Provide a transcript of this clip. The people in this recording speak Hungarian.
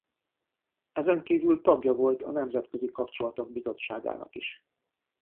Ezenkívül tagja volt a Nemzetközi Kapcsolatok Bizottságának is.